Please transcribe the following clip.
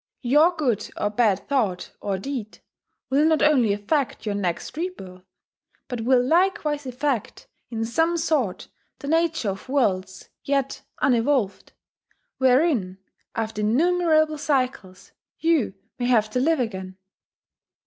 Your good or bad thought or deed will not only affect your next rebirth, but will likewise affect in some sort the nature of worlds yet unevolved, wherein, after innumerable cycles, you may have to live again.